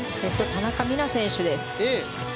田中美南選手です。